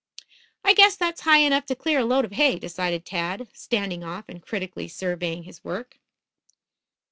"I guess that's high enough to clear a load of hay," decided Tad, standing off and critically, surveying his work.